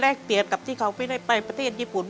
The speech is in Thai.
เปรียบกับที่เขาไม่ได้ไปประเทศญี่ปุ่น